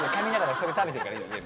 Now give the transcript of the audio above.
それ食べてるから。